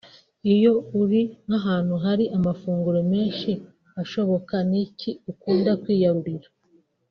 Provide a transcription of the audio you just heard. Iyo uri nk’ahantu hari amafunguro menshi ashoboka ni iki ukunda kwiyarurira